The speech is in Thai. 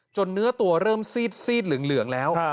เนื้อตัวเริ่มซีดเหลืองแล้ว